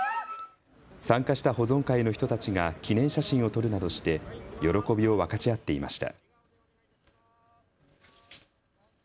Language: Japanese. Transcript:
参加した保存会の人たちが記念写真を撮るなどして喜びを分かち合っていました。